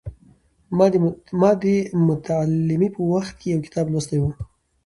ما د متعلمۍ په وخت کې یو کتاب لوستی و.